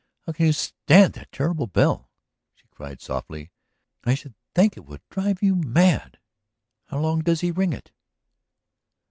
"How can you stand that terrible bell?" she cried softly. "I should think that it would drive you mad! How long does he ring it?"